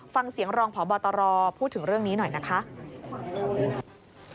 ฟังเสียงรองพบตรพูดถึงเรื่องนี้หน่อยนะคะ